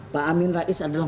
pak amin rais adalah